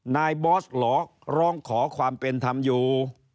นายบอสหลอกลองขอความเป็นทำอยู่